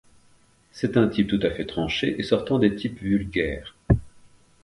C’est un type tout à fait tranché et sortant des types vulgaires.